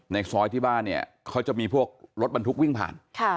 ในซอยที่บ้านเนี่ยเขาจะมีพวกรถบรรทุกวิ่งผ่าน